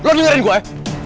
lo dengerin gua ya